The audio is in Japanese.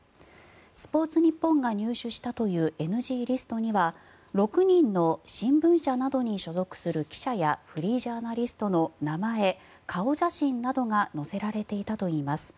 スポーツニッポンが入手したというＮＧリストには６人の新聞社などに所属する記者やフリージャーナリストの名前、顔写真などが載せられていたといいます。